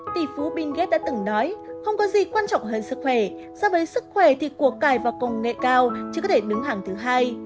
tỷ phú bill gates đã từng nói không có gì quan trọng hơn sức khỏe do với sức khỏe thì của cải và công nghệ cao chỉ có thể đứng hàng thứ hai